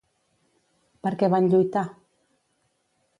Per què van lluitar?